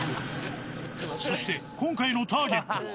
そして、今回のターゲットは。